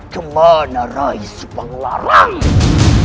kemana rai subanglarang